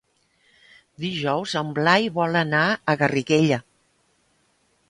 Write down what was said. Dijous en Blai vol anar a Garriguella.